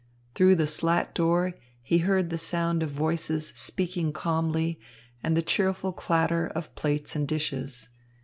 Through the slat door, he heard the sound of voices speaking calmly and the cheerful clatter of plates and dishes.